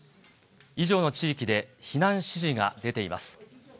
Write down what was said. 以上の地域で、避難指示が出ています。